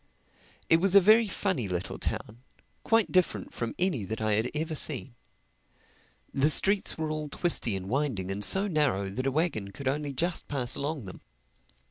It was a very funny little town, quite different from any that I had ever seen. The streets were all twisty and winding and so narrow that a wagon could only just pass along them.